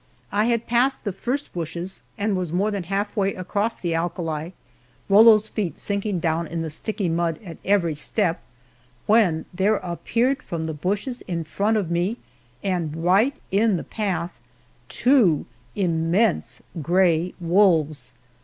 I had passed the first bushes and was more than half way across the alkali, Rollo's feet sinking down in the sticky mud at every step, when there appeared from the bushes in front of me, and right in the path, two immense gray wolves.